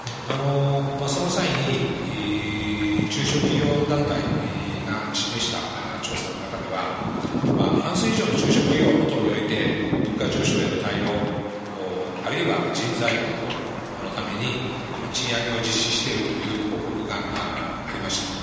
その際に、中小企業団体が示した調査の中では、半数以上の中小企業等において、物価上昇への対応、あるいは人材確保のために今、賃上げを実施しているという報告がありました。